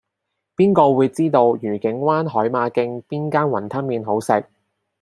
邊個會知道愉景灣海馬徑邊間雲吞麵最好食